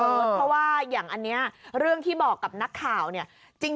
เพราะว่าอย่างอันนี้เรื่องที่บอกกับนักข่าวเนี่ย